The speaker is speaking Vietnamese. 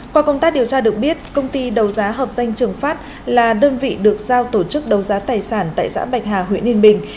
qua công tác điều tra được biết công ty đầu giá hợp danh trường phát là đơn vị được giao tổ chức đấu giá tài sản tại xã bạch hà huyện yên bình